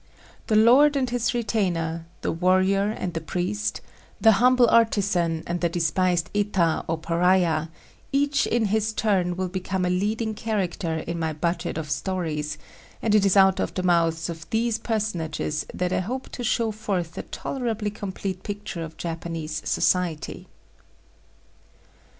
The lord and his retainer, the warrior and the priest, the humble artisan and the despised Eta or pariah, each in his turn will become a leading character in my budget of stories; and it is out of the mouths of these personages that I hope to show forth a tolerably complete picture of Japanese society.